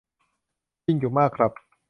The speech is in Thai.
จริงอยู่มากครับ.